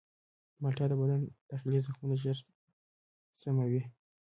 مالټه د بدن داخلي زخمونه ژر ښه کوي.